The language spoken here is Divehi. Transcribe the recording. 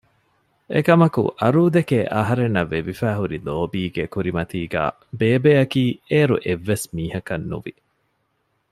އެކަމަކު އަރޫދެކެ އަހަރެންނަށް ވެވިފައިހުރި ލޯބީގެ ކުރިމަތީގައި ބޭބެއަކީ އޭރު އެއްވެސް މީހަކަށް ނުވި